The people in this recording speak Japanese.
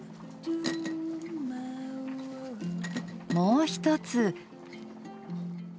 もう一つ。